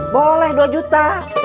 boleh dua juta